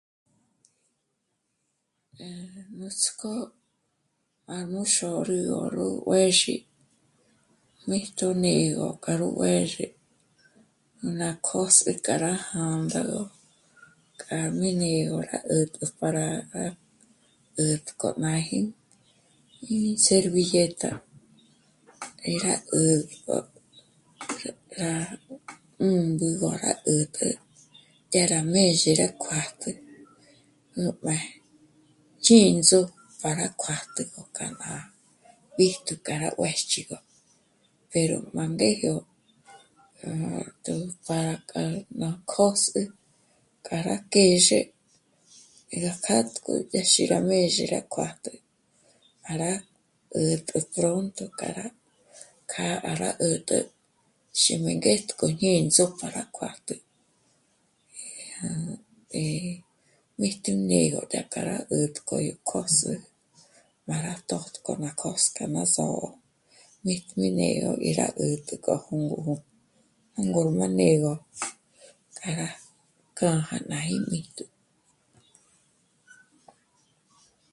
Nuts'k'ó m'á rú xôrü 'ó rú juězhi míjtunigö k'a ró juêndzhe 'ù ná kjôs'ü kja rá jândagö k'a mí ni gó rá 'ä̀t para 'ä̀t' k'o ná ji servilleta 'é rá 'ütpgö rá 'ǜmbu ngó rá 'ä̀t'ä dyá rá mézhe yá kjuâjtjü nùjme chǐndzo'o para kjuájtü rú kjârá bíjtu kja rá juěch'igö pero m'á ngéjyo 'ät'ä para kja m'a k'ós'e k'a rá kjèzhe dyá rá kájk'u kjèche rá mèzhe kuâjtü para 'ä̀t'ä pronto k'a rá... kja rá 'ä̀'t'ä xímíngétk'o yó ñê'endzo para kuâjtü. Eh... mí ti né'egö dya rá k'ara 'ä̀t' k'óyó kjós'ü m'a rá tójtü k'a nú'u tösk'o m'á só'o mítmi né'egö í rá 'ä̀t'ä kja hùmü ngúmu ngôr m'a né'egö kja rá kjâ'a rá náji kja rí jmítju